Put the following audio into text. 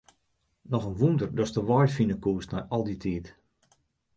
Noch in wûnder datst de wei fine koest nei al dy tiid.